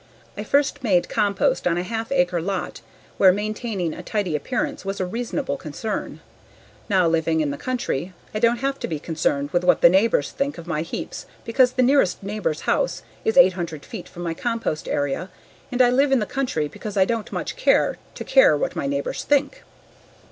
I first made compost on a half acre lot where maintaining a tidy appearance was a reasonable concern. Now, living in the country, I don't have be concerned with what the neighbors think of my heaps because the nearest neighbor's house is 800 feet from my compost area and I live in the country because I don't much care to care what my neighbors think.